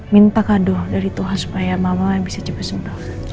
minta kado dari tuhan supaya mama bisa coba sembuh